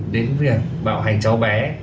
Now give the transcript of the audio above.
đến việc bạo hành cháu bé